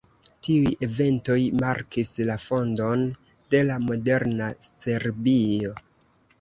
Tiuj eventoj markis la fondon de la moderna Serbio.